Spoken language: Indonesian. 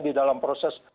di dalam proses